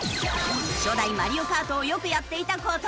初代『マリオカート』をよくやっていた小峠。